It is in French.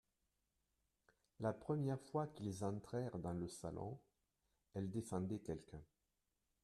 La première fois qu'ils entrèrent dans le salon, elle défendait quelqu'un.